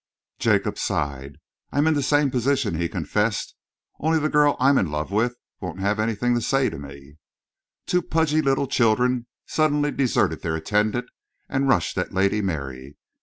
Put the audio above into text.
Jacob sighed. "I am in the same position," he confessed, "only the girl I'm in love with won't have anything to say to me." Two pudgy little children suddenly deserted their attendant and rushed at Lady Mary.